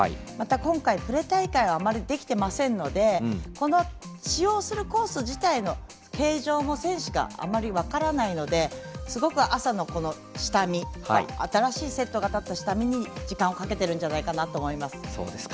また今回、プレ大会があまりできていませんので使用するコース自体の形状も選手があまり分からないのですごく朝の下見新しいセットが立った下見に時間をかけているんじゃないかと思います。